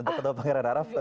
untuk kedopang keraian arab